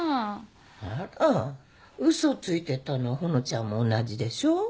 あら嘘ついてたのはほのちゃんも同じでしょ？